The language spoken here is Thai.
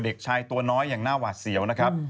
เด็กชายตัวน้อยยังน่ะวาดเสียวนะครับ